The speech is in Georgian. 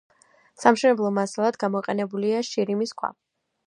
სამშენებლო მასალად გამოყენებულია შირიმის ქვა.